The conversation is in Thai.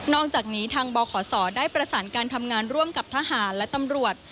อกจากนี้ทางบขศได้ประสานการทำงานร่วมกับทหารและตำรวจ